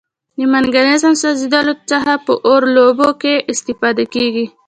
د مګنیزیم سوځیدلو څخه په اور لوبو کې استفاده کیږي.